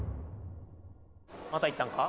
また行ったんか？